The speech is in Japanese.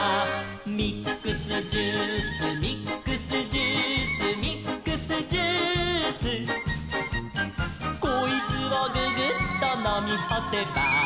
「ミックスジュースミックスジュース」「ミックスジュース」「こいつをググッとのみほせば」